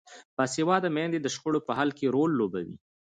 باسواده میندې د شخړو په حل کې رول لوبوي.